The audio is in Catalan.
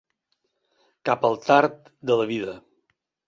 Cap al tard de la vida.